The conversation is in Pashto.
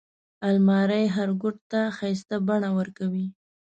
الماري هر کوټ ته ښايسته بڼه ورکوي